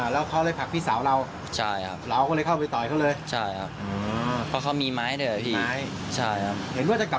แล้วพอเขาผลักก็ผมก็เลย